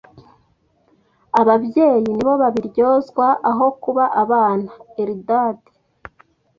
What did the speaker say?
Ababyeyi ni bo babiryozwa, aho kuba abana. (Eldad)